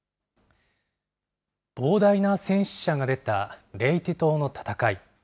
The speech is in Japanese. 膨大な戦死者が出たレイテ島の戦い。